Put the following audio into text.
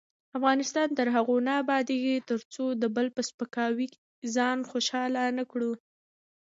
افغانستان تر هغو نه ابادیږي، ترڅو د بل په سپکاوي ځان خوشحاله نکړو.